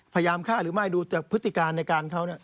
พยายามฆ่าหรือไม่ดูแต่พฤติการในการเขา